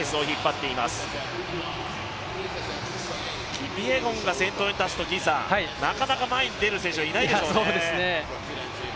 キピエゴンが先頭に立つとなかなか前に出る選手はいないでしょうね。